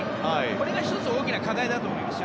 これが１つ大きな課題だと思います。